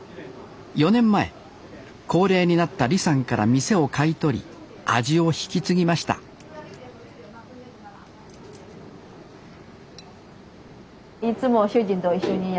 ４年前高齢になった李さんから店を買い取り味を引き継ぎましたいつも主人と一緒にやってます。